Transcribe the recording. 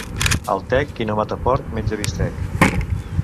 Al Tec, qui no mata porc, menja bistec.